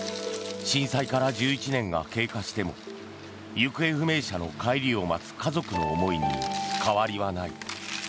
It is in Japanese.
震災から１１年が経過しても行方不明者の帰りを待つ家族の思いに変わりはない。